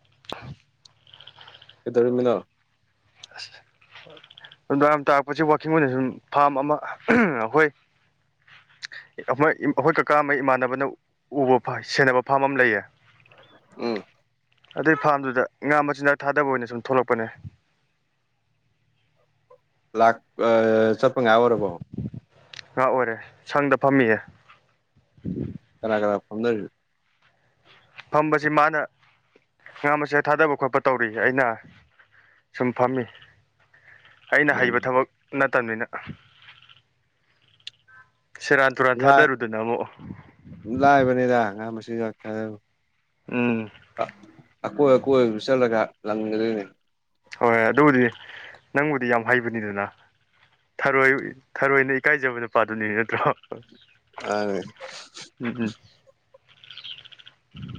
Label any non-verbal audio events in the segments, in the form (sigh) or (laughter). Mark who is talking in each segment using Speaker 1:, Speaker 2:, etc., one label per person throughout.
Speaker 1: (inaudible)
Speaker 2: ꯀꯩꯗꯧꯔꯝꯃꯤꯅ
Speaker 1: ꯑꯁꯦ (inaudible) ꯑꯗꯨ ꯇꯥꯔꯛꯄꯁꯤ ꯋꯥꯛꯀꯤꯡ ꯑꯣꯏꯅ ꯁꯨꯝ ꯐꯥꯝ ꯑꯃ ꯑꯩꯈꯣꯏ ꯑꯩꯈꯣꯏ ꯀꯀꯥ ꯑꯃ ꯏꯃꯥꯟꯅꯕꯅ ꯎꯕ ꯁꯦꯟꯅꯕ ꯐꯥꯝ ꯑꯃ ꯂꯩꯌꯦ
Speaker 2: ꯎꯝ
Speaker 1: ꯑꯗꯨꯏ ꯐꯥꯝꯗꯨꯗ ꯉꯥ ꯃꯆꯤꯟꯖꯥꯛ ꯊꯥꯗꯕ ꯑꯣꯏꯅ ꯁꯨꯝ ꯊꯣꯛꯂꯛꯄꯅꯦ
Speaker 2: ꯂꯥꯛ ꯑ ꯆꯠꯄ ꯉꯥꯏꯒꯥꯛ ꯑꯣꯏꯔꯕꯣ
Speaker 1: ꯉꯥ ꯑꯣꯏꯔꯦ ꯁꯪꯗ ꯐꯝꯃꯤꯌꯦ
Speaker 2: ꯀꯅꯥ ꯀꯅꯥ ꯐꯗꯔ
Speaker 1: ꯐꯝꯕꯁꯤ ꯃꯥꯅ ꯉꯥ ꯃꯁꯦ ꯊꯥꯗꯕ ꯈꯣꯠꯄ ꯇꯧꯔꯤ ꯑꯩꯅ ꯁꯨꯝ ꯐꯝꯃꯤ ꯑꯩꯅ
Speaker 2: ꯎꯝ
Speaker 1: ꯍꯩꯕ ꯊꯕꯛ ꯅꯠꯇꯕꯅꯤꯅ ꯁꯦꯔꯥꯟ ꯇꯨꯔꯥꯟ
Speaker 2: ꯂꯥꯏ
Speaker 1: ꯊꯥꯗꯔꯨꯗꯅ ꯑꯃꯨꯛ
Speaker 2: ꯂꯥꯏꯕꯅꯤꯗ ꯉꯥ
Speaker 1: ꯎꯝ
Speaker 2: ꯑꯀꯣꯏ ꯑꯀꯣꯏꯕꯗꯨ ꯆꯠꯂꯒ ꯂꯪꯗꯔꯅꯦ
Speaker 1: ꯍꯣꯏ ꯑꯗꯨꯕꯨꯗꯤ ꯅꯪꯕꯨꯗꯤ ꯌꯥꯝ ꯍꯩꯕꯅꯤꯗꯅ ꯊꯔꯣꯏ ꯊꯔꯣꯏꯅ ꯏꯀꯥꯏꯖꯕ ꯅꯨꯄꯥꯗꯨꯅꯤ ꯅꯠꯇ꯭ꯔꯣ ꯎꯝ ꯎꯝ
Speaker 2: (unintelligible)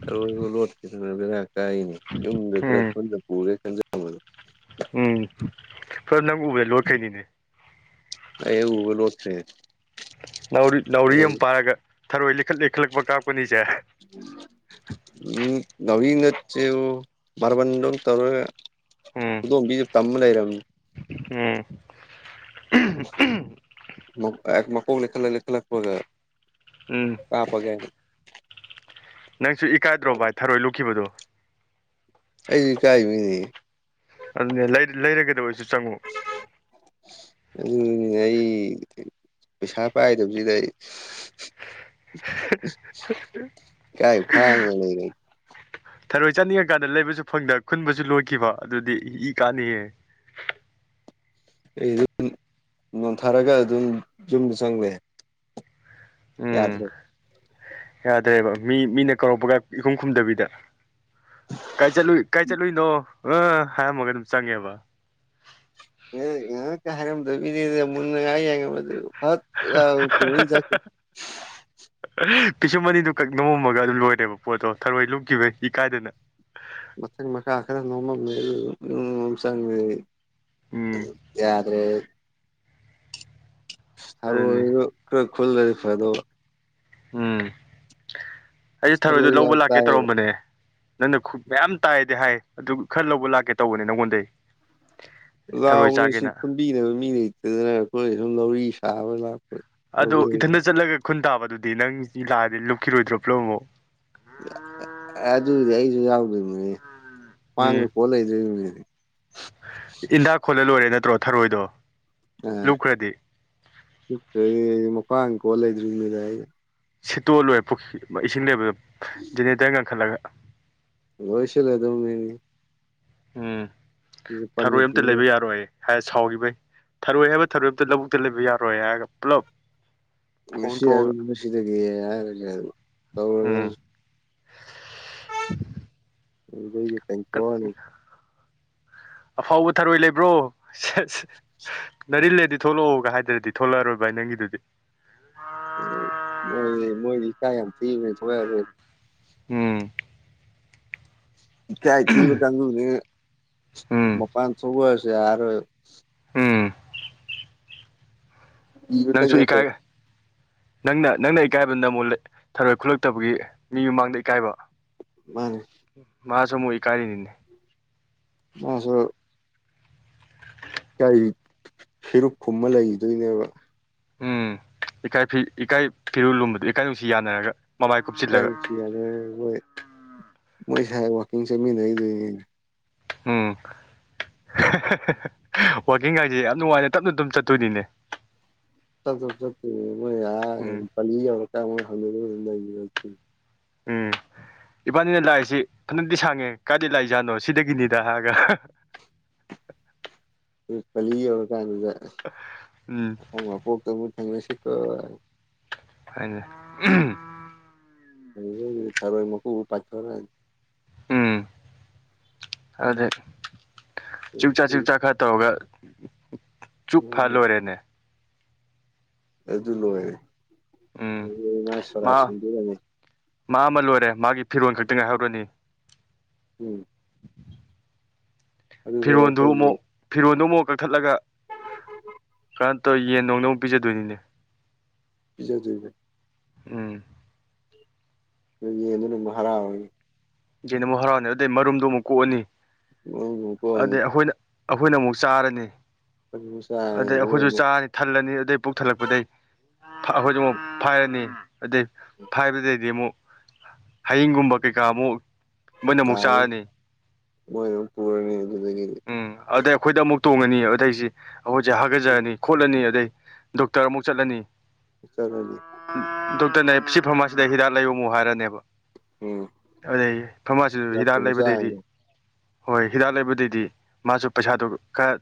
Speaker 2: ꯑꯔꯣꯏꯕ ꯂꯣꯠꯀꯗꯅ ꯕꯦꯔꯥ ꯀꯥꯏꯅꯦ ꯌꯨꯝꯗ
Speaker 1: ꯎꯝ
Speaker 2: ꯈꯔꯗ ꯄꯨꯔꯦ ꯈꯟꯖꯕꯗ
Speaker 1: ꯎꯝ ꯐꯔ ꯅꯪ ꯎꯕ ꯂꯣꯏꯈꯩꯅꯤꯗꯤ
Speaker 2: ꯑꯕꯦꯛ ꯎꯕ ꯂꯣꯠꯈ꯭ꯔꯦ
Speaker 1: ꯅꯥꯎꯔꯤ ꯅꯥꯎꯔꯤ ꯑꯃ ꯄꯥꯔꯒ ꯊꯔꯣꯏ ꯂꯤ ꯏꯈꯠꯂ ꯏ ꯈꯠꯂꯛꯄ ꯀꯥꯞꯀꯅꯤꯁꯦ
Speaker 2: ꯆꯦ ꯃꯥꯔꯕꯟꯗꯧ ꯇꯧꯔꯒ
Speaker 1: ꯎꯝ
Speaker 2: ꯈꯨꯗꯣꯝꯕꯤꯁꯦ ꯇꯝꯃ ꯂꯩꯔꯕꯝꯅꯤ
Speaker 1: ꯎꯝ
Speaker 2: ꯃꯀꯣꯛꯅ ꯈꯜꯂꯛ ꯈꯜꯂꯛꯄꯒ
Speaker 1: ꯎꯝ
Speaker 2: ꯀꯥꯞꯄꯒꯦ
Speaker 1: ꯅꯪꯁꯨ ꯏꯀꯥꯏꯗ꯭ꯔꯣ ꯚꯏ ꯊꯔꯣꯏ ꯂꯨꯈꯤꯕꯗꯣ
Speaker 2: ꯑꯩꯗꯤ ꯏ ꯀꯥꯏ ꯃꯤꯅꯦ
Speaker 1: ꯑꯗꯨꯅꯦ ꯂꯩꯔꯒꯗꯕ ꯑꯣꯏꯁꯨ ꯆꯪꯉꯨ
Speaker 2: ꯎꯝ ꯑꯩ ꯄꯩꯁꯥ ꯄꯥꯏꯗꯕꯁꯤꯗ ꯑꯩ ꯀꯥꯏ ꯈꯥꯡꯒ ꯂꯩ ꯀ
Speaker 1: ꯊꯔꯣꯏ ꯆꯥꯅꯤꯡꯉꯀꯥꯟꯗ ꯂꯩꯕꯁꯨ ꯐꯪꯗ ꯈꯨꯟꯕꯁꯨ ꯂꯣꯏꯈꯤꯕ ꯑꯗꯨꯗꯤ ꯏ ꯀꯥꯅꯤꯍꯦ (inaudible)
Speaker 2: ꯑꯩ ꯑꯗꯨ ꯅꯣꯟꯊꯔꯒ ꯑꯗꯨꯝ ꯌꯨꯝꯗ ꯆꯪꯂꯦ
Speaker 1: ꯎꯝ
Speaker 2: ꯌꯥꯗ꯭ꯔꯔꯤ
Speaker 1: ꯌꯥꯗ꯭ꯔꯦꯕ ꯃꯤ ꯃꯤꯅ ꯀꯧꯔꯛꯄꯒ ꯏꯈꯨꯝ ꯈꯨꯝꯗꯕꯤꯗ ꯀꯥꯏ ꯆꯠꯂꯏ ꯀꯥꯏ ꯆꯠꯂꯨꯏꯅꯣ ꯑ ꯍꯥꯏꯔꯝꯃꯒ ꯑꯗꯨꯝ ꯆꯪꯉꯦꯕ
Speaker 2: ꯑꯦ ꯉ ꯀ ꯍꯔꯝ ꯕꯗ ꯃ (unintelligible)
Speaker 1: ꯄꯤꯁꯨꯝ ꯑꯅꯤꯗꯨ ꯀꯛ ꯅꯣꯃꯝꯃꯒ ꯑꯗꯨꯝ ꯂꯣꯏꯔꯦꯕ ꯄꯣꯠꯇꯣ ꯊꯔꯣꯏ ꯂꯨꯞꯈꯤꯕ ꯏ ꯀꯥꯏꯗꯅ
Speaker 2: ꯃꯊꯪ ꯃꯈ ꯅꯣꯡꯃ ꯆ
Speaker 1: ꯎꯝ
Speaker 2: ꯌꯥꯗꯔꯦ
Speaker 1: ꯑꯗꯨꯅꯦ
Speaker 2: ꯈꯨꯜꯂꯔꯤ ꯐꯥꯏꯗꯣ
Speaker 1: ꯎꯝ ꯑꯩꯁꯨ ꯊꯔꯣꯏꯗ
Speaker 2: ꯊꯔꯣꯏ
Speaker 1: ꯂꯧꯕ
Speaker 2: ꯌꯥꯝ
Speaker 1: ꯂꯥꯛꯀꯦ
Speaker 2: ꯇꯥꯏꯌꯦꯕ
Speaker 1: ꯇꯧꯔꯝꯕꯅꯦ ꯅꯪꯅ ꯈꯨꯠ ꯃꯌꯥꯝ ꯇꯥꯏꯗꯤ ꯍꯥꯏ ꯑꯗꯨ ꯈꯔ ꯂꯧꯕ ꯂꯥꯛꯀꯦ ꯇꯧꯕꯅꯤ ꯅꯪꯉꯣꯟꯗꯩ ꯊꯔꯣꯏ
Speaker 2: ꯂꯥꯎꯅ ꯁꯤ
Speaker 1: ꯆꯥꯒꯦꯅ
Speaker 2: ꯈꯨꯝꯝꯕꯤꯅꯕ ꯃꯤ ꯂꯩꯇꯗꯅ ꯑꯩꯈꯣꯏ ꯁꯨꯝ ꯂꯧꯔꯤ ꯁꯥꯕ ꯂ
Speaker 1: ꯑꯗꯣ ꯏꯊꯟꯇ ꯆꯠꯂꯒ ꯈꯨꯟ ꯇꯥꯕꯗꯨꯗꯤ ꯅꯪꯁꯤ ꯂꯥꯛꯑꯗꯤ ꯂꯨꯞꯈꯤꯔꯣꯏꯗ꯭ꯔꯣ ꯄ꯭ꯂꯣꯃꯣ
Speaker 2: ꯑꯗꯨꯗꯤ ꯑꯩꯁꯨ ꯌꯥꯎꯗꯣꯏꯅꯦꯅꯦ
Speaker 1: ꯎꯝ ꯏꯟꯗꯥꯛ ꯈꯣꯠꯂ ꯂꯣꯏꯔꯦ ꯅꯠꯇ꯭ꯔꯣ ꯊꯔꯣꯏꯗꯣ ꯂꯨꯞꯈ꯭ꯔꯗꯤ
Speaker 2: ꯑ ꯃꯄꯥꯟ ꯀꯣ ꯂꯩꯗ꯭ꯔꯤ ꯃꯤꯗ ꯑꯩ
Speaker 1: ꯁꯤꯠꯇꯣꯜꯂꯣꯏꯦ ꯄꯨꯈ ꯏꯁꯤꯡ ꯂꯩꯕꯗ ꯖꯦꯅꯦꯔꯦꯇꯔ ꯉꯟꯈꯠꯂꯒ
Speaker 2: ꯣꯏꯁꯂ ꯑꯗꯨꯣꯅꯤ
Speaker 1: ꯎꯝ ꯊꯔꯣꯏ ꯑꯝꯇ
Speaker 2: ꯊꯦꯡꯅ
Speaker 1: ꯂꯩꯕ ꯌꯥꯔꯣꯏ ꯍꯥꯏ ꯁꯥꯎꯈꯤꯕꯩ ꯊꯔꯣꯏ ꯍꯥꯏꯕ ꯊꯔꯣꯏ ꯑꯝꯇ ꯂꯧꯕꯨꯛꯇ ꯂꯩꯕ ꯌꯥꯔꯣꯏ ꯍꯥꯏꯔꯒ ꯄꯨꯂꯞ
Speaker 2: ꯉꯁꯤ
Speaker 1: ꯈꯣꯝꯊꯣꯛꯑꯒ
Speaker 2: ꯍꯥꯏꯁꯤꯗꯒꯤ ꯍꯥꯏꯔꯒ ꯑꯗꯨꯝ ꯇꯧꯔ
Speaker 1: ꯎꯝ (inaudible)
Speaker 2: (inaudible)
Speaker 1: ꯑꯐꯥꯎꯕ ꯊꯔꯣꯏ ꯂꯩꯕ꯭ꯔꯣ ꯁꯠꯁ ꯅꯔꯤꯜꯂꯦꯗꯤ ꯊꯣꯛꯂꯛꯑꯣꯒ ꯍꯥꯏꯗ꯭ꯔꯗꯤ ꯊꯣꯛꯂꯛꯑꯔꯣꯏ ꯚꯥꯏ ꯅꯪꯒꯤꯗꯨꯗꯤ
Speaker 2: ꯎ ꯃꯣꯏ ꯃꯣꯏꯗꯤ ꯀꯥꯏꯝ ꯊ ꯊ
Speaker 1: ꯎꯝ
Speaker 2: ꯏꯀꯥꯏ ꯊꯤꯕ ꯀꯥꯡꯗꯨꯅꯦ
Speaker 1: ꯎꯝ
Speaker 2: ꯃꯄꯥꯟ ꯊꯣꯛꯔꯁꯨ ꯌꯥꯔꯣꯏꯕ
Speaker 1: ꯎꯝ ꯅꯪꯁꯨ
Speaker 2: ꯏꯕꯇꯉ ꯇ
Speaker 1: ꯏꯀꯥꯏ ꯅꯪꯅ ꯅꯪꯅ ꯏꯀꯥꯏꯕ ꯅ ꯑꯃꯨꯛ ꯊꯔꯣꯏ ꯈꯨꯠꯂꯛꯇꯕꯒꯤ ꯃꯤ ꯃꯃꯥꯡꯗ ꯏꯀꯥꯏꯕ
Speaker 2: ꯃꯥꯅꯦ
Speaker 1: ꯃꯥꯁꯨ ꯃꯨ ꯏ ꯀꯥꯅꯤ
Speaker 2: ꯃꯥꯁꯨ ꯀ ꯐꯤꯔꯨꯛ ꯀꯨꯝꯕ ꯂꯩꯗꯣꯏꯅꯦꯕ
Speaker 1: ꯎꯝ ꯏꯀꯥꯏ ꯏꯀꯥꯏ ꯐꯤꯔꯨꯜ ꯂꯨꯝꯕꯗꯨ ꯏꯀꯥꯏ ꯅꯨꯡꯁꯤ ꯌꯥꯅꯔꯒ ꯃꯃꯥꯏ
Speaker 2: ꯏ
Speaker 1: ꯀꯨꯞꯁꯤꯜꯂꯒ
Speaker 2: ꯅꯨꯡꯁꯤ ꯃꯣꯏ ꯃꯣꯏ ꯁ ꯋꯥꯛꯀꯤꯡ ꯆꯠꯃꯤꯟꯅꯩꯗꯣꯏꯅꯦ
Speaker 1: ꯎꯝ ꯋꯥꯋꯀꯤꯡ ꯍꯥꯏꯁꯦ ꯌꯥꯝ ꯅꯨꯡꯉꯥꯏꯅ ꯇꯞꯅ ꯇꯝ ꯆꯠꯇꯣꯏꯅꯤꯅꯦ
Speaker 2: ꯆꯠꯠꯇ ꯆꯠꯠꯇꯣꯏ ꯌꯥ
Speaker 1: ꯎꯝ
Speaker 2: ꯀꯔꯀ ꯍ
Speaker 1: ꯎꯝ ꯏꯕꯥꯅꯤꯅ ꯂꯥꯛꯏꯁꯤ ꯐꯅꯗꯤꯤ ꯁꯥꯡꯉꯦ ꯀꯥꯏꯗ ꯂꯥꯏꯏꯖꯥꯠꯅꯣ ꯁꯤꯗꯒꯤꯅꯤꯗ ꯍꯥꯏꯒ (inaudible)
Speaker 2: ꯄꯂꯤ ꯌꯧꯔꯀꯥꯟꯗꯨꯗ
Speaker 1: ꯎꯝ
Speaker 2: ꯑꯁꯪ ꯃꯄꯣꯛꯇ ꯑꯃꯨꯛ ꯊꯦꯡꯅꯁꯤꯀ
Speaker 1: ꯍꯅ
Speaker 2: ꯀꯔꯑꯣꯣꯏ ꯃꯈ ꯄꯊ ꯋꯥꯔ
Speaker 1: ꯎꯝ ꯑꯗꯨꯗꯩ ꯆꯛꯆꯥꯥ ꯆꯛꯆꯥ ꯈꯔ ꯇꯧꯔꯒ ꯆꯨꯞ ꯐ ꯂꯣꯏꯔꯦꯅꯦ ꯎꯝ ꯃꯥ
Speaker 2: ꯂ
Speaker 1: ꯃꯥ ꯑꯃ ꯂꯣꯏꯔꯦ ꯃꯥꯒꯤ ꯐꯤꯔꯣꯜ ꯈꯛꯇ ꯉꯥꯏꯍꯧꯔꯅꯤ
Speaker 2: ꯎꯝ ꯑꯗꯨꯁꯨ
Speaker 1: ꯐꯤꯔꯣꯟꯜꯗꯨ
Speaker 2: ꯑꯩꯈꯣꯏꯒꯤ
Speaker 1: ꯑꯃꯨꯛ ꯐꯤꯔꯣꯟꯜꯗꯨ ꯑꯃꯨꯛ ꯀꯛꯊꯠꯂꯒ ꯀꯔꯅ ꯇꯧꯔ ꯌꯦꯟ ꯅꯅꯨꯡꯗ ꯑꯃꯨꯛ ꯄꯤꯖꯗꯣꯏꯅꯤꯅꯦ
Speaker 2: ꯄꯤꯖꯥꯗꯣꯏꯕ
Speaker 1: ꯎꯝ
Speaker 2: ꯑꯗꯨ ꯌꯦꯟꯗꯨꯅ ꯑꯃꯨꯛ ꯍꯔꯥꯎꯔꯅꯤ
Speaker 1: ꯌꯦꯅ ꯑꯃꯨꯛ ꯍꯔꯥꯎꯅꯤ ꯑꯗꯨꯗꯩ ꯃꯔꯨꯝꯗꯣ ꯑꯃꯨꯛ ꯀꯣꯛꯑꯅꯤ
Speaker 2: ꯎ ꯀꯣꯅꯤ
Speaker 1: ꯑꯗꯩ ꯑꯩꯈꯣꯏꯅ ꯑꯩꯈꯣꯏꯅ ꯑꯃꯨꯛ ꯆꯥꯔꯅꯤ
Speaker 2: ꯑꯃꯨꯛ ꯆꯥꯔꯅꯤ
Speaker 1: ꯑꯗꯩ ꯑꯩꯈꯣꯏꯁꯨ
Speaker 2: ꯑꯃꯨꯛ
Speaker 1: ꯆꯥꯔꯅꯤ ꯊꯜꯂꯅꯤ ꯑꯗꯨꯗꯩ ꯄꯨꯛ ꯊꯜꯂꯛꯄꯗꯩ ꯑꯩꯈꯣꯏꯗꯤ ꯑꯃꯨꯛ ꯐꯥꯏꯔꯅꯤ ꯑꯗꯨꯗꯩ ꯐꯥꯏꯕꯗꯩꯗꯤ ꯑꯃꯨꯛ ꯍꯌꯤꯡꯒꯨꯝꯕ ꯀꯩꯀꯥ ꯑꯃꯨꯛ ꯃꯣꯏꯅ ꯑꯃꯨꯛ ꯆꯥꯔꯅꯤ
Speaker 2: ꯃꯣꯏ ꯄꯔꯅꯤ
Speaker 1: ꯎꯝ ꯑꯗꯩ ꯑꯩꯈꯣꯏꯗ ꯑꯃꯨꯛ ꯇꯣꯡꯉꯅꯤ ꯑꯗꯩꯁꯤ ꯑꯩꯈꯣꯏꯁꯦ ꯍꯥꯒꯠꯆꯔꯅꯤ ꯈꯣꯠꯂꯅꯤ ꯑꯗꯩ ꯗꯣꯛꯇꯔ ꯑꯃꯨꯛ ꯆꯠꯂꯅꯤ
Speaker 2: ꯆꯠꯕꯤ
Speaker 1: ꯅꯦ ꯁꯤ ꯐꯔꯃꯁꯤꯗ ꯍꯤꯗꯥꯛ ꯂꯥꯏꯌꯡꯨ ꯍꯥꯏꯔꯅꯦꯕ
Speaker 2: ꯎꯝ
Speaker 1: ꯑꯗꯩ ꯐꯝꯃꯥꯁꯤꯁꯨ
Speaker 2: ꯆꯥꯛꯄꯨ
Speaker 1: ꯍꯤꯗꯥꯛ
Speaker 2: ꯑꯃꯨꯛ
Speaker 1: ꯂꯩꯕꯗꯩꯗꯤ
Speaker 2: ꯆꯥꯔꯅꯤ
Speaker 1: ꯍꯣꯏ ꯍꯤꯗꯥꯛ ꯂꯩꯕꯗꯩꯗꯤ ꯃꯥꯁꯨ ꯄꯁꯥꯗꯧ ꯀ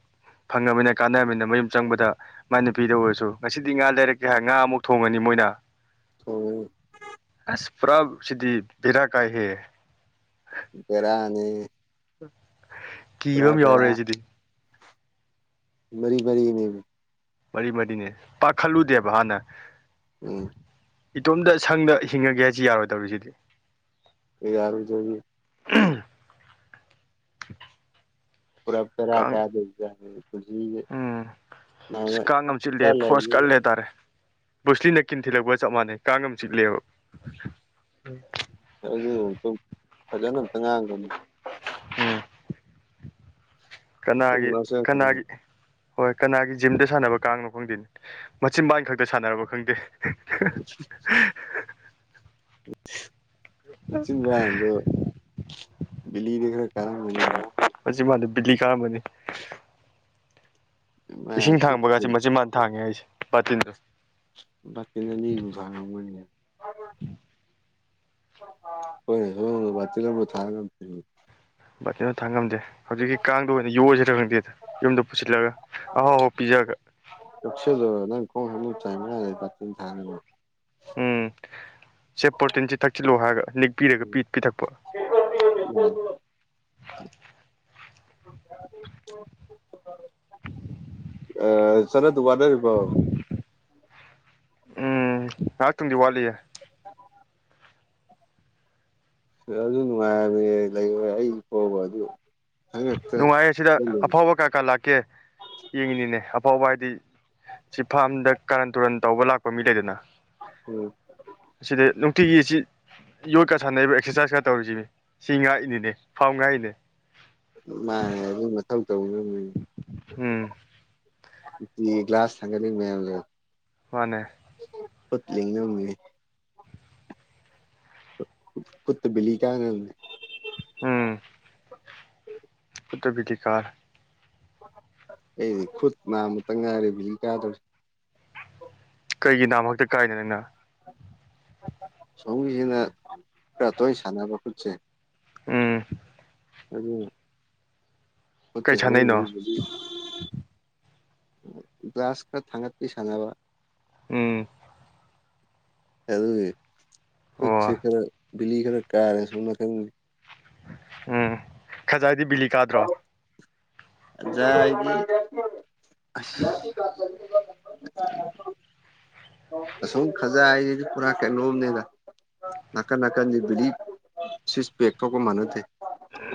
Speaker 1: ꯐꯪꯉꯅꯤꯅ ꯀꯥꯟꯅꯅꯤꯅ ꯃꯌꯨꯝ ꯆꯪꯕꯗ ꯃꯥꯏ ꯅꯨꯄꯤꯗ ꯑꯣꯏꯔꯁꯨ ꯉꯁꯤꯗꯤ ꯉꯥ ꯂꯩꯔꯛꯀꯦ ꯍꯥꯏ ꯉꯥ ꯑꯃꯨꯛ ꯊꯣꯡꯉꯅꯤ ꯃꯣꯏꯅ
Speaker 2: ꯊꯣꯡꯉꯅꯤ
Speaker 1: ꯑꯁ ꯄꯨ꯭ꯔꯥ ꯁꯤꯗꯤ ꯄꯤꯗꯥ ꯀꯥꯏ ꯍꯦ
Speaker 2: ꯄꯦꯔꯅꯤ
Speaker 1: ꯀꯕꯝ ꯌꯥꯎꯔꯔꯦꯁꯤꯗꯤ
Speaker 2: ꯃꯔꯤ ꯃꯔꯤꯅꯦ
Speaker 1: ꯃꯔꯤ ꯃꯔꯤꯅꯦ ꯄꯥꯈꯠꯂꯨꯗꯦꯕ ꯍꯥꯟꯅ
Speaker 2: ꯎꯝ
Speaker 1: ꯏꯇꯣꯝꯇ ꯁꯪꯗ ꯍꯤꯡꯉꯒꯦ ꯍꯥꯏꯁꯤ ꯌꯥꯔꯣꯏꯗꯧꯔꯤꯁꯤꯗꯤ
Speaker 2: ꯌꯥꯔꯨꯖꯌꯦ
Speaker 1: ꯎ
Speaker 2: ꯄꯨꯔꯞ ꯇꯔ ꯀꯗꯖꯦ
Speaker 1: ꯎꯝ ꯀꯥꯡ ꯉꯝ ꯆꯤꯂꯦ
Speaker 2: ꯆꯠ
Speaker 1: ꯐꯣꯔꯁ
Speaker 2: ꯂꯩꯕꯅꯤ
Speaker 1: ꯀꯠꯜꯂꯦ ꯍꯥꯏꯇꯥꯔꯦ ꯕꯨꯨꯁꯂꯤꯅ ꯀꯤꯟ ꯊꯤꯜꯂꯛꯄꯒ ꯆꯞ ꯃꯥꯟꯅꯩ ꯀꯥꯡ ꯑꯃ ꯆꯤꯠꯂꯦꯕ
Speaker 2: ꯑꯗꯨ ꯐꯖꯅ ꯑꯝꯇ ꯉꯥꯡꯕꯅꯤ
Speaker 1: ꯎꯝ
Speaker 2: ꯃꯇꯨꯡ
Speaker 1: ꯀꯅꯥꯒꯤ
Speaker 2: ꯃꯅꯥꯎ ꯆꯪꯉꯛꯀꯅꯨ
Speaker 1: ꯀꯅꯥꯒꯤ ꯍꯣꯏ ꯀꯅꯥꯒꯤ ꯖꯤꯝꯗ ꯁꯥꯟꯅꯕ ꯀꯥꯡꯅꯣ ꯈꯪꯗꯦ ꯃꯆꯤꯟ ꯃꯏ ꯈꯛꯇ ꯁꯥꯟꯅꯔꯕ ꯈꯪꯗꯦ
Speaker 2: (inaudible) ꯆꯤꯟꯕꯗꯣ ꯕꯤꯂꯤꯗ ꯈꯔ ꯀꯔ ꯃꯅꯤꯅꯤ
Speaker 1: ꯍꯧ ꯃꯥꯦ ꯕꯤꯂꯤ ꯀꯥ ꯑꯃꯅꯤꯅꯤ
Speaker 2: ꯃꯥ
Speaker 1: ꯏꯁꯤꯡ
Speaker 2: ꯁꯤꯛꯁꯇꯤ
Speaker 1: ꯊꯥꯡꯕꯒꯁꯤꯦ ꯃꯆꯤꯟ ꯃꯅꯥ ꯊꯥꯡꯉꯦ ꯑꯩꯁꯦ ꯕꯥꯇꯤꯟꯗꯣ
Speaker 2: ꯅꯅꯤ ꯐ ꯑꯣꯏ ꯍꯣꯏ ꯍꯣꯏꯆꯤ ꯂ ꯊꯥ ꯀ ꯊ
Speaker 1: ꯕꯤꯅ ꯊꯥꯡꯉꯝꯗꯦ ꯍꯧꯖꯤꯛꯀꯤ ꯀꯥꯡꯗ ꯑꯣꯏꯅ ꯌꯣꯏꯁꯤꯔ ꯈꯪꯗꯦꯗ ꯌꯨꯝꯗ ꯄꯨꯁꯤꯜꯂꯒ ꯑꯍꯥꯎ ꯑꯍꯥꯎ ꯄꯤꯖꯔꯒ
Speaker 2: ꯦꯗ ꯅꯪ ꯀ ꯍ ꯆ ꯊ
Speaker 1: ꯎꯝ ꯁꯦ ꯄꯣꯔꯇꯤꯟꯁꯤ ꯊꯛꯆꯤꯜꯂꯨ ꯍꯥꯏꯔꯒ ꯅꯤꯦꯛꯄꯤꯔꯒ ꯄ ꯄꯤꯊꯛꯄ
Speaker 2: (unintelligible)
Speaker 1: (unintelligible)
Speaker 2: ꯑ ꯆꯅꯗꯨ ꯋꯥꯗꯔꯔꯤꯕ
Speaker 1: ꯎꯝ ꯍꯥꯏꯥꯛ ꯇꯤꯟꯗꯤ ꯋꯥꯂꯤꯒ
Speaker 2: ꯑꯗꯨ ꯅꯨꯡꯉꯥꯏꯔꯅꯤ ꯂꯩꯔꯦ ꯑꯩ ꯐꯣꯕ ꯑꯗꯨ ꯈꯪꯉꯛꯇ
Speaker 1: ꯅꯨꯡꯉꯥꯏꯌꯦ ꯁꯤꯗ ꯑꯐꯥꯎꯕ ꯀꯌꯥ ꯀꯥ ꯂꯥꯛꯀꯦ ꯌꯦꯡꯉꯤꯅꯤꯅꯦ ꯑꯐꯥꯎꯕ ꯍꯥꯏꯗꯤ ꯁꯤ ꯐꯥꯝꯗ ꯀꯥꯔꯟ ꯇꯨꯔꯟ ꯇꯧꯕ ꯂꯥꯛꯄ ꯃꯤ ꯂꯩꯗꯅ
Speaker 2: ꯎꯝ
Speaker 1: ꯇꯁꯤ ꯌꯣꯠꯀ ꯁꯥꯟꯅꯩꯔꯤꯕ ꯑꯦꯛꯁꯔꯁꯥꯏꯁꯀ ꯇꯧꯔꯤꯁꯤꯅꯤ ꯁꯤ ꯉꯥꯛꯏꯅꯤꯅꯦ ꯐꯥꯝ ꯉꯥꯛꯏꯅꯦ
Speaker 2: ꯃꯥꯅꯦ ꯑꯗꯨꯝ ꯃꯊꯧ ꯇꯧ
Speaker 1: ꯎꯝ
Speaker 2: ꯀ꯭ꯂ꯭ꯂꯥꯁ ꯊꯪꯒꯅꯤ ꯃ ꯂꯩ
Speaker 1: ꯃꯅꯦ
Speaker 2: ꯐꯠꯂꯤꯦ ꯈꯨꯠꯇ ꯕꯤꯂꯤ ꯀꯌꯥꯅꯦ
Speaker 1: ꯎ ꯇꯕꯤꯤꯗꯤꯀꯥ
Speaker 2: ꯑꯩꯗꯤ ꯈꯨꯨꯠ ꯃꯥ ꯑꯃꯨꯛꯇꯪ ꯉꯥꯏꯔꯤꯦ ꯀꯥꯗꯧ
Speaker 1: ꯀꯩꯒꯤ ꯅꯥꯝꯃꯛꯇ ꯀꯥꯏꯅ ꯅꯪꯅ
Speaker 2: ꯁꯁꯤꯅ ꯄꯇꯣꯏ ꯁꯥꯟꯅꯅꯕ ꯈꯠꯁꯦ
Speaker 1: ꯎꯝ
Speaker 2: ꯎꯝ ꯍꯆꯦ
Speaker 1: ꯀꯩ ꯁꯥꯟꯅꯩꯅꯣ
Speaker 2: ꯒ꯭ꯂꯥꯁ ꯈꯔ ꯊꯥꯡꯒꯠꯄꯤ ꯁꯥꯟꯅꯕ
Speaker 1: ꯎꯝ
Speaker 2: ꯍ ꯈꯖꯁꯤ
Speaker 1: ꯑꯣ
Speaker 2: ꯈꯔ ꯕꯤꯜ ꯈꯔ ꯀꯥꯔꯦ ꯁꯅ ꯊ
Speaker 1: ꯎꯝ ꯈꯖꯥꯏꯗꯤ ꯕꯤꯂꯤ ꯀꯥꯗ꯭ꯔꯣ
Speaker 2: ꯌꯥ ꯑꯁꯨꯝ ꯈꯖ ꯍꯥꯏꯁꯤꯁꯨ ꯄꯨꯔꯥ ꯀꯩꯅꯣꯝꯅꯦꯗ ꯅꯥꯀꯟ ꯅꯥꯀꯟꯗꯤ ꯕꯤꯁ ꯄꯦꯛꯒ ꯃꯅꯗꯦ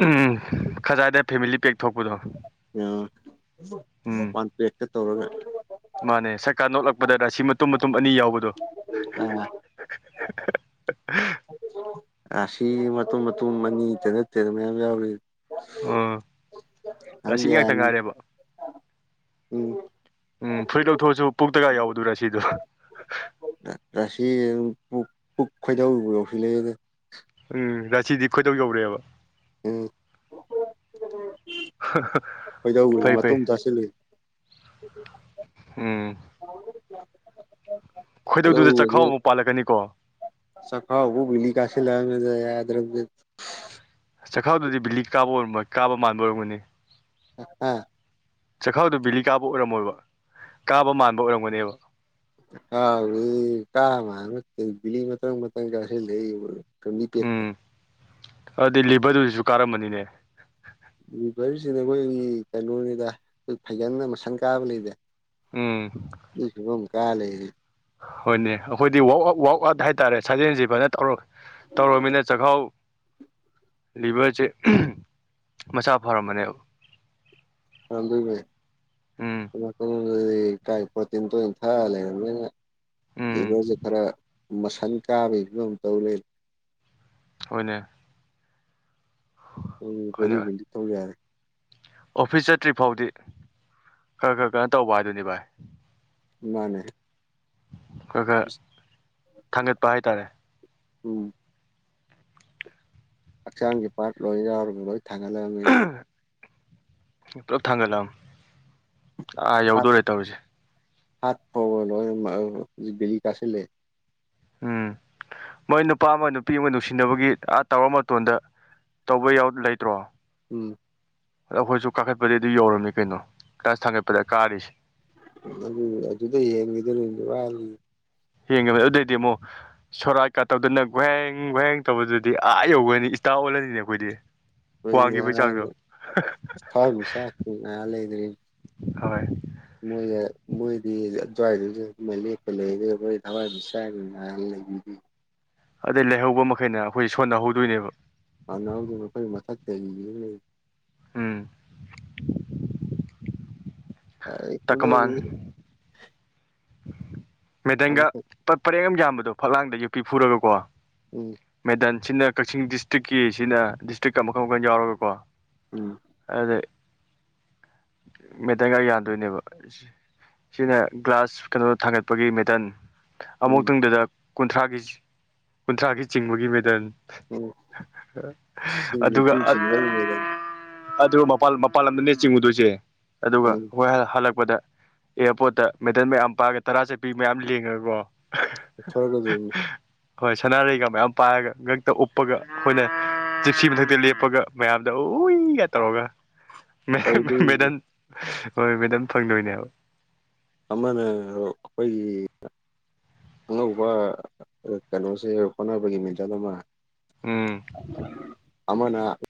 Speaker 1: ꯎꯝ ꯈꯖꯏꯗ ꯐꯦꯃꯤꯂꯤ ꯄꯦꯛ ꯊꯣꯛꯄꯗꯣ ꯎꯝ
Speaker 2: ꯄꯥꯟꯄꯦꯛꯇ ꯇꯧꯔꯒ
Speaker 1: ꯃꯥꯅꯦ ꯁꯔꯥ ꯅꯣꯛꯂꯛꯄꯗ ꯔꯁꯤ ꯃꯇꯨꯝ ꯃꯇꯨꯝ ꯑꯅꯤ ꯌꯥꯎꯕꯗꯣ
Speaker 2: ꯑꯁꯤꯥꯁꯤ ꯃꯇꯨꯝ ꯃꯇꯨꯝ ꯑꯅꯤ ꯇꯦꯔ ꯇꯦꯔ ꯃꯌꯥꯝ ꯌꯥꯎꯔꯤ
Speaker 1: ꯑ ꯔꯥꯁꯤ
Speaker 2: ꯊꯖ
Speaker 1: ꯉꯥꯛꯇ ꯉꯥꯏꯔꯦꯕ
Speaker 2: ꯎꯝ
Speaker 1: ꯎꯝ ꯐꯨꯔꯤꯠ ꯂꯧꯊꯣꯛꯑꯁꯨ ꯄꯨꯛꯇꯒ ꯌꯥꯎꯗꯨꯔꯥ ꯁꯤꯗꯣ
Speaker 2: ꯄꯨ ꯄꯨꯛ ꯈꯣꯏꯗꯧꯕ ꯌꯧꯁꯤ ꯂꯩꯛꯦꯗ
Speaker 1: ꯎꯝ ꯔꯁꯤꯗꯤ ꯈꯣꯏꯗꯧ ꯌꯧꯔꯛꯑꯦꯕ
Speaker 2: ꯎꯝ ꯀꯩꯗꯧꯦ
Speaker 1: ꯐꯩ ꯐꯩ
Speaker 2: ꯃꯇꯨꯡ ꯇꯥꯁꯤꯂꯨꯏ
Speaker 1: ꯎꯝ
Speaker 2: (inaudible)
Speaker 1: ꯈꯣꯏꯗꯧꯗꯨꯗ ꯆꯈꯥꯎ
Speaker 2: ꯂꯧꯦ
Speaker 1: ꯑꯃꯨꯛ ꯄꯥꯜꯂꯛꯀꯅꯤꯀꯣ
Speaker 2: ꯆꯀꯕꯨ ꯕꯤꯂꯤ ꯀꯥꯁ ꯂꯅꯖꯥꯏ ꯗ꯭ꯔꯗꯤ
Speaker 1: ꯆꯈꯥꯎꯗꯨꯗꯤ ꯕꯤꯂꯤꯛ ꯀꯥꯕ ꯑꯣꯏꯔꯝ ꯀꯥꯕ ꯃꯥꯟꯕ ꯑꯣꯏꯔꯝꯒꯅꯤ
Speaker 2: ꯑꯥ
Speaker 1: ꯆꯈꯥꯎꯗꯨ ꯕꯤꯦꯂꯤ ꯀꯥꯕ ꯑꯣꯏꯔꯝꯃꯣꯏꯕ ꯀꯥꯕ ꯃꯥꯟꯕ ꯑꯣꯏꯔꯝꯒꯅꯦꯕ
Speaker 2: ꯑꯥꯎ ꯀꯥ ꯃꯥꯅꯕꯤꯂꯤ ꯃꯊꯪ ꯃꯊꯪ ꯀꯁꯤ ꯂꯩ ꯐ ꯃꯤ ꯄꯦꯛꯇ
Speaker 1: ꯎꯝ ꯑꯗꯨꯗꯤ ꯂꯤꯚꯔꯗꯨꯗꯨꯁꯨ ꯀꯥꯔꯝꯕꯅꯤꯅꯦ
Speaker 2: ꯚꯔꯁꯤꯅ ꯑꯩꯈꯣꯏꯒꯤ ꯀꯩꯅꯣꯅꯤꯗ ꯑꯩꯈꯣꯏ ꯐꯩꯒꯟꯅ ꯃꯁꯟ ꯀꯥꯕ ꯂꯩꯕ
Speaker 1: ꯎꯝ
Speaker 2: ꯀꯂꯒꯤ
Speaker 1: ꯍꯣꯏꯅꯦ ꯑꯩꯈꯣꯏꯗꯤꯋ ꯋꯥꯛ ꯑꯥꯎꯠ ꯍꯥꯏꯇꯥꯔꯦ ꯁꯥꯖꯦꯜꯁꯤ ꯐꯅ ꯇꯧꯔꯒꯦ ꯇꯧꯔꯃꯤꯅ ꯆꯥꯛꯈꯥꯎ ꯂꯤꯚꯔꯁꯦ ꯃꯆꯥ ꯐꯔꯝꯝꯕꯅꯦꯕ
Speaker 2: ꯑꯗ
Speaker 1: ꯎꯝ
Speaker 2: ꯀꯥꯏ ꯄꯊꯅ ꯇ ꯊꯥ ꯂꯩꯦ
Speaker 1: ꯎꯝ
Speaker 2: ꯤꯚꯔꯁꯦ ꯈꯔ ꯃꯁꯟ ꯀꯥꯕꯒꯤ ꯐꯤꯕꯝ ꯇꯧ ꯂꯩ
Speaker 1: ꯍꯅꯦ
Speaker 2: ꯎꯝ ꯗꯤ ꯊꯧ ꯌꯥꯔꯦ
Speaker 1: ꯑꯣꯐꯤꯁ ꯆꯠꯇ꯭ꯔꯤ ꯐꯥꯎꯗꯤ ꯈꯔ ꯈꯔ ꯈꯔ ꯇꯧꯕ ꯍꯥꯏꯗꯨꯅꯤ ꯚꯥꯏ
Speaker 2: ꯃꯥꯅꯦ
Speaker 1: ꯈꯔ ꯈꯔ ꯊꯥꯡꯒꯠꯄ ꯍꯥꯏꯇꯥꯔꯦ
Speaker 2: ꯎꯝ ꯍꯛꯆꯥꯡꯒꯤ ꯄꯥꯔꯠ ꯂꯣꯏ ꯌꯥꯎꯔꯒ ꯂꯣꯏ ꯊꯥꯡꯒꯠꯂꯑꯃꯦ
Speaker 1: ꯄꯨꯂꯞ ꯊꯥꯡꯒꯠꯂꯛꯑꯝ ꯑꯥ ꯌꯧꯗꯣꯔꯦ ꯇꯧꯔꯤꯁꯦ
Speaker 2: ꯍꯠ ꯐꯕꯣꯏ ꯛ ꯑꯥꯁꯦ
Speaker 1: ꯎꯝ ꯃꯣꯏ ꯅꯨꯄꯥ ꯑꯃ ꯅꯨꯄꯤ ꯑꯃ ꯅꯨꯡꯁꯤꯅꯕꯒꯤ ꯑꯥ ꯇꯧꯔ ꯃꯇꯣꯟꯗ ꯇꯧꯕ ꯌꯥ ꯂꯩꯇ꯭ꯔꯣ
Speaker 2: ꯎꯝ
Speaker 1: ꯑꯗꯣ ꯑꯩꯈꯣꯏꯁꯨ ꯀꯥꯈꯠꯄꯗꯤꯩ ꯑꯗꯨ ꯌꯧꯔꯝꯅꯤ ꯀꯩꯅꯣ ꯈꯁ ꯊꯥꯡꯒꯠꯄꯗ ꯀꯥꯔꯤꯁꯦ
Speaker 2: ꯑꯗꯨ ꯑꯗꯨꯗ ꯍꯦꯟꯈꯤꯗꯅꯗꯤ ꯋꯥꯜꯂꯤ
Speaker 1: ꯍꯦꯡꯉꯕꯅꯤ ꯑꯗꯨꯗꯏꯗꯤ ꯑꯃꯨꯛ ꯁꯣꯔꯥ ꯀꯥꯠꯇꯧꯗꯅ ꯒ꯭ꯋꯍꯦꯡ ꯒꯨꯋꯍꯦꯡ ꯇꯧꯕꯗꯨꯗꯤ ꯑꯥ ꯌꯧꯒꯅꯤ ꯇꯥ ꯑꯣꯜꯂꯅꯤꯅꯦ ꯑꯩꯈꯣꯏꯗꯤ ꯋꯥꯡꯈꯤꯕꯒꯤ
Speaker 2: ꯑꯩꯣꯏ
Speaker 1: ꯆꯥꯡꯗꯣ
Speaker 2: ꯐ ꯆꯥꯛ ꯉ ꯂꯩꯗ꯭ꯔꯤ
Speaker 1: ꯍꯣꯏ
Speaker 2: ꯃꯣꯏꯅ ꯃꯣꯏꯗꯤ ꯑꯗꯨꯋꯥꯏꯗꯨꯁꯨ ꯑꯗꯨꯃꯥꯏꯅ ꯂꯦꯞꯄ ꯂꯩ ꯑꯗꯨꯒ ꯃꯣꯏ ꯊꯋꯥꯏꯗꯨ ꯁꯥꯏ
Speaker 1: ꯑꯗꯩ ꯂꯩꯍꯧꯕ ꯃꯈꯩꯅ ꯑꯩꯈꯣꯏ ꯁꯣꯟꯅꯍꯧꯗꯣꯏꯅꯦꯕ
Speaker 2: ꯃꯅꯥꯎꯗꯨ ꯃꯈꯈꯣꯏ ꯃꯊꯛꯇꯕꯤꯗꯨꯅ ꯂꯩꯔꯤ
Speaker 1: ꯎꯝ
Speaker 2: ꯑ ꯈꯝꯗ
Speaker 1: ꯃꯦꯗꯪꯒ ꯄꯔꯦꯡ ꯑꯃ ꯌꯥꯝꯕꯗꯣ ꯐꯛꯂꯥꯡꯗ ꯌꯄꯤ ꯐꯨꯔꯒꯀꯣ
Speaker 2: ꯎꯝ
Speaker 1: ꯃꯦꯗꯥꯟ ꯁꯤꯅ ꯀꯛꯆꯤꯡ ꯗꯤꯁꯇ꯭ꯔꯤꯛꯀꯤ ꯁꯤꯅ ꯗꯤꯁꯇ꯭ꯔꯤꯛꯀ ꯃꯈꯟ ꯃꯈꯜ ꯌꯥꯎꯔꯒꯀꯣ
Speaker 2: ꯎꯝ
Speaker 1: ꯑ ꯃꯦꯇꯒ ꯌꯥꯟꯗꯣꯏꯅꯦꯕ ꯁꯤꯅ ꯒ꯭ꯂꯥꯁ ꯀꯩꯅꯣ ꯊꯥꯡꯒꯠꯄꯒꯤ ꯃꯦꯇꯟ
Speaker 2: ꯎꯝ
Speaker 1: ꯑꯃꯨꯛꯛꯇꯪꯗꯨꯗ ꯀꯨꯟꯊ꯭ꯔꯥꯒꯤ ꯀꯨꯟꯊ꯭ꯔꯥꯒꯤ ꯆꯤꯡꯕꯒꯤ ꯃꯦꯗꯜ
Speaker 2: ꯎꯝ ꯁꯤ
Speaker 1: ꯑꯗꯨꯒ
Speaker 2: ꯅꯤꯐꯨ ꯆꯤꯡꯗꯧꯔꯤ ꯃꯦꯗꯥꯝ
Speaker 1: ꯑꯗꯨꯒ ꯃꯥꯟ ꯃꯄꯥꯟ ꯂꯝꯗꯅꯦ ꯆꯤꯡꯉꯨꯗꯣꯏꯁꯦ ꯑꯗꯨꯒ
Speaker 2: ꯎꯝ
Speaker 1: ꯑꯩꯣꯏ ꯍꯜꯂꯛꯄ ꯗ ꯑꯦꯌꯥꯔꯄꯣꯔꯠꯇ ꯃꯦꯗꯜ ꯃꯌꯥꯝ ꯄꯥꯒ ꯇꯔꯥ ꯆꯠꯄꯤ ꯃꯌꯥꯝ ꯂꯦꯡꯉꯒꯀꯣ
Speaker 2: ꯊꯔꯒ ꯑꯗꯨꯅꯤ
Speaker 1: ꯍꯣꯏ ꯁꯅꯥꯔꯩꯒ ꯃꯌꯥꯝ ꯄꯥꯏꯔꯒ ꯉꯛꯇ ꯎꯞꯄꯒ ꯑꯩꯈꯣꯏꯅ ꯆꯤꯞꯁꯤ ꯃꯊꯛꯇ ꯂꯦꯞꯄꯒ ꯃꯌꯥꯝꯗ ꯎꯏꯒ ꯇꯧꯔꯒ
Speaker 2: ꯇꯧꯗꯣꯏꯅꯤ
Speaker 1: ꯃꯦꯗꯥ ꯍꯣꯏ ꯃꯦꯗꯥꯝ ꯐꯪꯗꯣꯏꯅꯦꯕ
Speaker 2: ꯑꯃꯅ ꯑꯩꯈꯣꯏꯒꯤ ꯑꯅꯧꯕ ꯀꯩꯅꯣꯁꯦ ꯍꯣꯠꯅꯕꯒꯤ ꯃꯦꯗꯜ ꯑꯃ
Speaker 1: ꯎꯝ
Speaker 2: ꯑꯃꯅꯥ